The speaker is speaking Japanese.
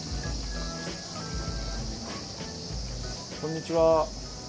こんにちは。